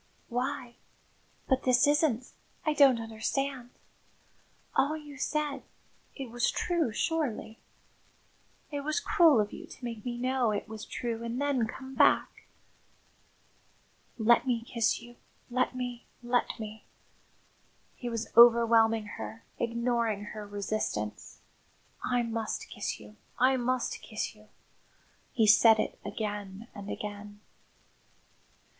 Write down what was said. "Why but this isn't I don't understand! All you said it was true, surely? It was cruel of you to make me know it was true and then come back!" "Let me kiss you let me, let me!" He was overwhelming her, ignoring her resistance. "I must kiss you, I must kiss you." He said it again and again.